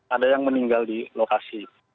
ada yang meninggal di lokasi